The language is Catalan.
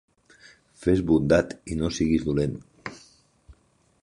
Fes bondat i no siguis dolent.